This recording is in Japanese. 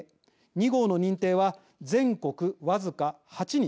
２号の認定は全国、僅か８人。